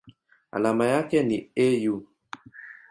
Alama yake ni Au.